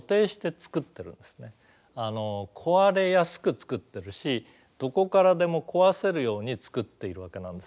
壊れやすく作ってるしどこからでも壊せるように作っているわけなんです。